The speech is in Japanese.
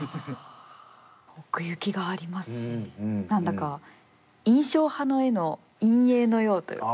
奥行きがありますし何だか印象派の絵の陰影のようというか。